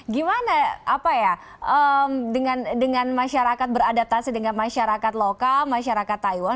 gimana apa ya dengan masyarakat beradaptasi dengan masyarakat lokal masyarakat taiwan